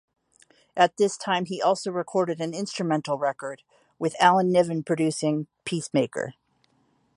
At this time he also recorded an instrumental record with Alan Niven producing, 'Peacemaker'.